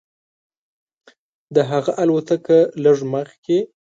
د هغه الوتکه لږ مخکې.